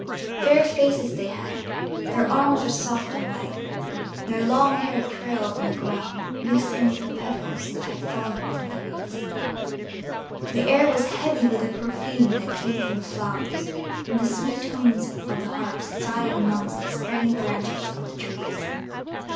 Fair faces they had; their arms were soft and white; their long hair trailed on the ground mixing with the petals that had fallen from the wreaths. The air was heavy with the perfume that came from the flowers, and the sweet tones of the harps sighed amongst the spreading branches of the trees.